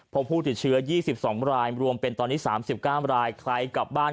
พวกผู้ติดเชื้อ๒๒รายรวมเป็นตอนนี้๓๙ราย